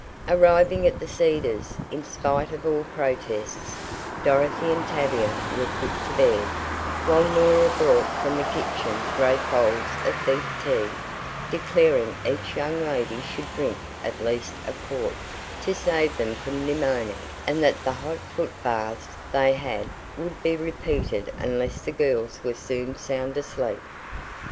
Arriving at The Cedars, in spite of all protests, Dorothy and Tavia were "put to bed," while Norah brought from the kitchen great bowls of beef tea, declaring each young lady should drink at least a quart, "to save them from nemonie," and that the hot foot baths they had would be repeated unless the girls were soon sound asleep.